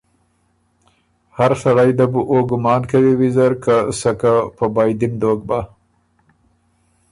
هر سړئ ده بو او ګمان کوی ویزر که سکه په پائدی م دوک بَۀ۔